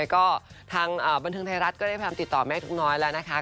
ก็ทางบันเทิงไทยรัฐก็ได้พยายามติดต่อแม่ทุกน้อยแล้วนะคะ